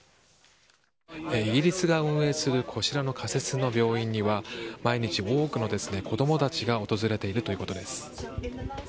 イギリスが運営するこちらの仮設の病院には毎日、多くの子供たちが訪れているということです。